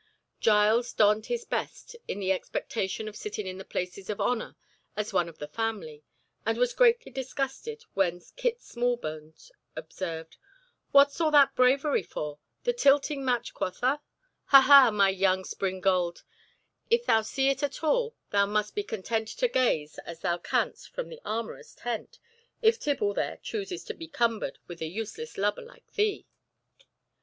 Giles donned his best in the expectation of sitting in the places of honour as one of the family, and was greatly disgusted when Kit Smallbones observed, "What's all that bravery for? The tilting match quotha? Ha! ha! my young springald, if thou see it at all, thou must be content to gaze as thou canst from the armourers' tent, if Tibble there chooses to be cumbered with a useless lubber like thee."